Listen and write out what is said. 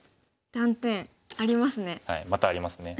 断点ありますね。